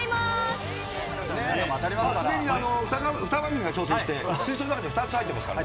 すでに２番組が挑戦して、水槽の中に２つ入ってますからね。